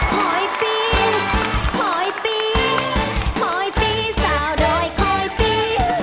คอยตีคอยตีคอยตีสาวดอยคอยตี